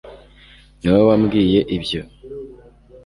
niwowe wambwiye ibyo